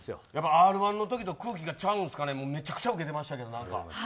Ｒ−１のときと空気がちゃうのかめちゃくちゃウケてましたけど。